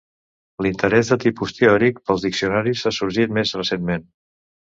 L'interès de tipus teòric pels diccionaris ha sorgit més recentment.